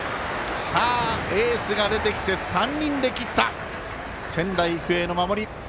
エースが出てきて３人で切った、仙台育英の守り！